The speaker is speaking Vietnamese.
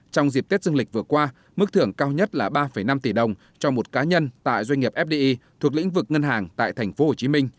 trong dịp tết dương lịch vừa qua mức thưởng cao nhất là ba năm tỷ đồng cho một cá nhân tại doanh nghiệp fdi thuộc lĩnh vực ngân hàng tại tp hcm